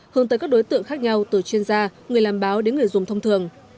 hướng tới các đối tượng khác nhau từ chuyên gia người làm báo đến người dùng thông thường